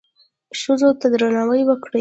ښځو ته درناوی وکړئ